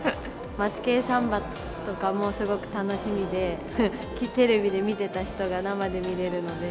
「マツケンサンバ」とかもすごく楽しみでテレビで見ていた人が生で見れるので。